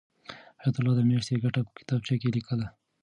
حیات الله د میاشتې ګټه په کتابچه کې لیکله.